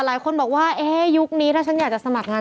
หลายคนบอกว่ายุคนี้ถ้าฉันอยากจะสมัครงาน